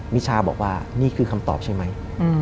มิชาบอกว่านี่คือคำตอบใช่ไหม